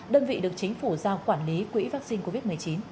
đơn vị được chính phủ giao quản lý quỹ vaccine covid một mươi chín